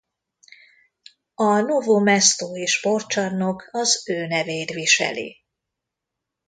A Novo mesto-i sportcsarnok az ő nevét viseli.